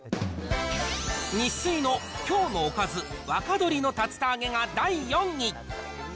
ニッスイの今日のおかず若鶏の竜田揚げが第４位。